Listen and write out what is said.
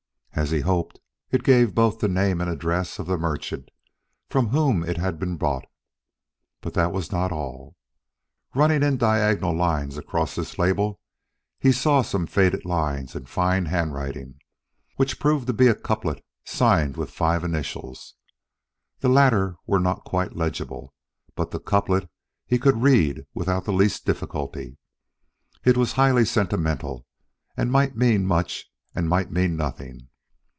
As he hoped, it gave both the name and address of the merchant from whom it had been bought. But that was not all. Running in diagonal lines across this label, he saw some faded lines in fine handwriting, which proved to be a couplet signed with five initials. The latter were not quite legible, but the couplet he could read without the least difficulty. It was highly sentimental, and might mean much and might mean nothing.